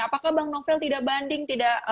apakah bang novel tidak banding tidak